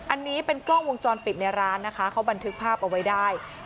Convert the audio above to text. อันนี้เป็นกล้องวงจรปิดในร้านนะคะเขาบันทึกภาพเอาไว้ได้